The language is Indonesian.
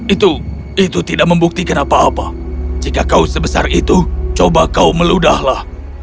itu itu tidak membuktikan apa apa jika kau sebesar itu coba kau meludahlah